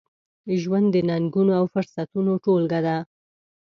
ژوند د ننګونو، او فرصتونو ټولګه ده.